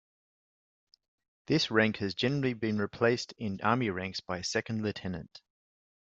This rank has generally been replaced in Army ranks by Second lieutenant.